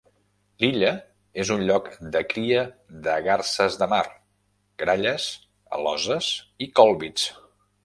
L'illa és un lloc de cria de garses de mar, gralles, aloses i còlbits.